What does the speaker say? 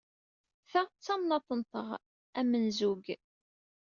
Ta d tamnaḍt-nteɣ, a amenzug!